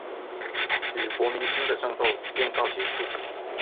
与国民军的战斗便告结束。